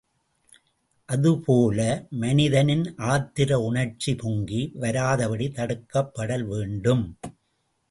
அதேபோல மனிதனின் ஆத்திர உணர்ச்சி பொங்கி வராதபடி தடுக்கப்படல் வேண்டும்.